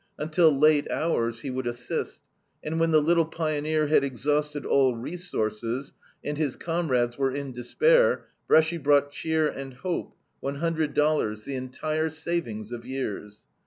Until later hours he would assist, and when the little pioneer had exhausted all resources and his comrades were in despair, Bresci brought cheer and hope, one hundred dollars, the entire savings of years.